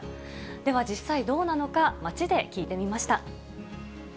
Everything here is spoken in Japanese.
では、実際、どうなのか、街で聞いてみました。